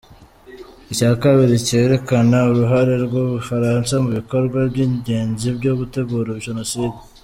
Icya kabiri cyerekana uruhare rw’u Bufaransa mu bikorwa by’ingenzi byo gutegura Jenoside.